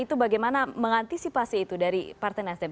itu bagaimana mengantisipasi itu dari partai nasdem